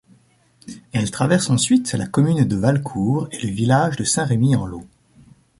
Elle traverse ensuite la commune de Valescourt et le village de Saint-Remy-en-l'Eau.